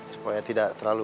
supaya tidak terlalu